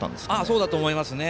そうだと思いますね。